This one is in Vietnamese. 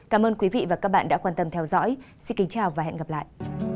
cảm ơn quý vị và các bạn đã quan tâm theo dõi xin kính chào và hẹn gặp lại